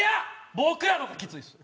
僕らの方がきついです。